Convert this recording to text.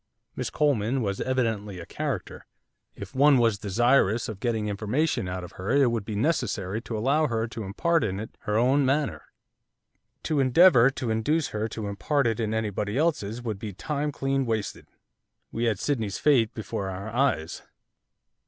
Miss Coleman was evidently a character. If one was desirous of getting information out of her it would be necessary to allow her to impart it in her own manner, to endeavour to induce her to impart it in anybody else's would be time clean wasted. We had Sydney's fate before our eyes.